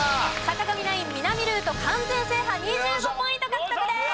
坂上ナイン南ルート完全制覇２５ポイント獲得です。